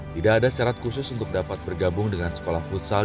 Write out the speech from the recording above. tidak ada syarat khusus untuk dapat bergabung dengan sekolah futsal